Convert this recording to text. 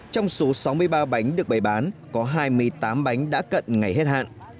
trong số sáu mươi ba bánh được bày bán có hai mươi tám bánh đã cận ngày hết hạn